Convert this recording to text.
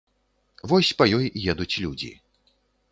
Вось па ёй едуць людзі.